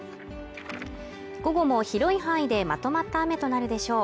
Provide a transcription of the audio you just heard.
午後も広い範囲でまとまった雨となるでしょう